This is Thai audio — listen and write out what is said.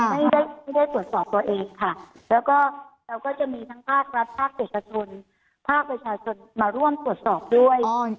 ไม่ได้ไม่ได้ตรวจสอบตัวเองค่ะแล้วก็เราก็จะมีทั้งภาครัฐภาคเอกชนภาคประชาชนมาร่วมตรวจสอบด้วย